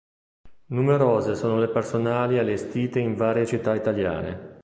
Numerose sono le personali allestite in varie città italiane.